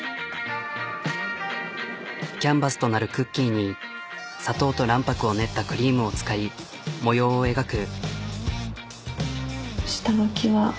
キャンバスとなるクッキーに砂糖と卵白を練ったクリームを使い模様を描く。